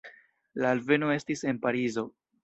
La alveno estis en Parizo.